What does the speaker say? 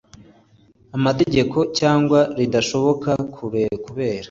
amategeko cyangwa ridashoboka kubera